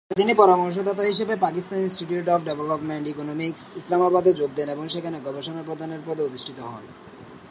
পরে তিনি পরামর্শদাতা হিসাবে Pakistan institute of development economics, ইসলামাবাদে যোগ দেন এবং সেখানে গবেষণা প্রধানের পদে অধিষ্ঠিত হন।